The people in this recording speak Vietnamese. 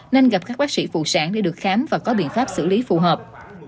nên gặp các bác sĩ phụ sản để được khám và có biện pháp xử lý phù hợp